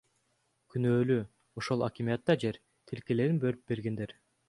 Күнөөлүү ошол акимиатта жер тилкелерин бөлүп бергендер.